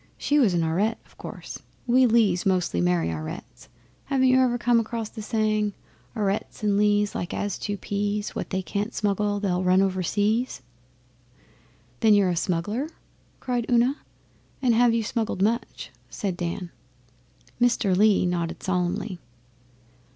She was an Aurette, of course. We Lees mostly marry Aurettes. Haven't you ever come across the saying: 'Aurettes and Lees, Like as two peas. What they can't smuggle, They'll run over seas'? 'Then, are you a smuggler?' Una cried; and, 'Have you smuggled much?' said Dan. Mr Lee nodded solemnly.